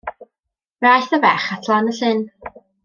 Fe aeth y ferch at lan y llyn.